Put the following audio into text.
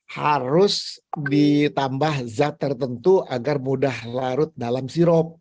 harus ditambah zat tertentu agar mudah larut dalam sirup